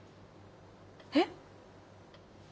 えっ？